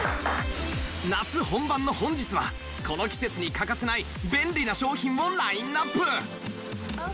夏本番の本日はこの季節に欠かせない便利な商品をラインナップ！